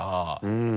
うん。